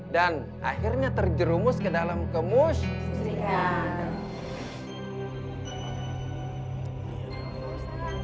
dan akhirnya terjerumus ke dalam kemusyrikan